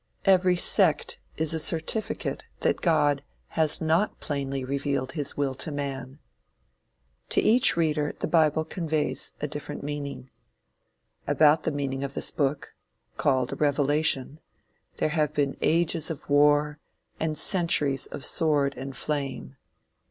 Every sect is a certificate that God has not plainly revealed his will to man. To each reader the bible conveys a different meaning. About the meaning of this book, called a revelation, there have been ages of war, and centuries of sword and flame.